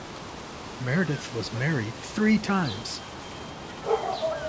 Meredith was married three times.